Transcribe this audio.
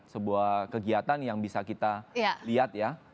sebuah kegiatan yang bisa kita lihat ya